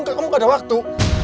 kamu gak ada waktu